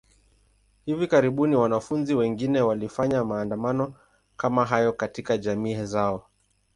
Hivi karibuni, wanafunzi wengine walifanya maandamano kama hayo katika jamii zao.